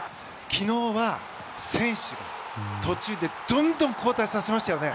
昨日は選手が途中でどんどん交代させましたよね。